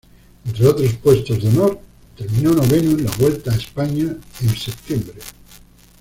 Entre otros puestos de honor, terminó noveno en la Vuelta a España en septiembre.